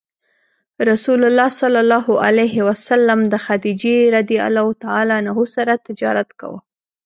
رسول الله ﷺ د خدیجې رض سره تجارت کاوه.